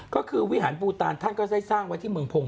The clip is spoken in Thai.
ก็คือวิหารปูตานท่านก็ได้สร้างไว้ที่เมืองพงศ